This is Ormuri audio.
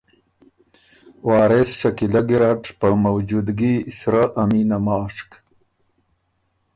وارث شکیلۀ ګیرډ په موجودګي سرۀ ا مینه ماشک